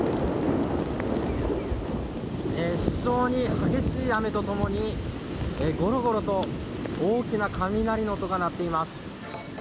非常に激しい雨とともに、ゴロゴロと大きな雷の音が鳴っています。